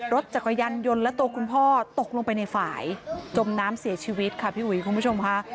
รถจักรยานยนต์และตัวคุณพ่อตกลงไปในฝ่ายจมน้ำเสียชีวิตค่ะพี่อุ๋ยคุณผู้ชมค่ะ